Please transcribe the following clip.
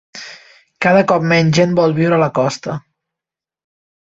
Cada cop menys gent vol viure a la costa.